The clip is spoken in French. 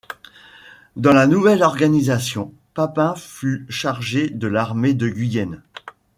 Dans la nouvelle organisation, Papin fut chargé de l'armée de Guyenne.